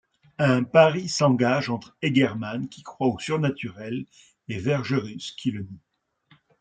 Un pari s'engage entre Egerman qui croit au surnaturel et Vergerus qui le nie.